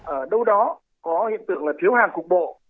ở đâu đó có hiện tượng là thiếu hàng cục bộ